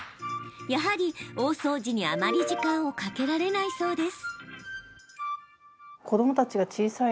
やはり大掃除に、あまり時間をかけられないそうです。